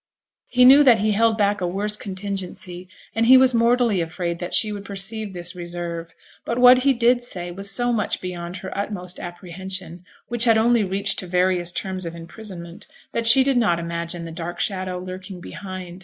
He knew that he held back a worse contingency, and he was mortally afraid that she would perceive this reserve. But what he did say was so much beyond her utmost apprehension, which had only reached to various terms of imprisonment, that she did not imagine the dark shadow lurking behind.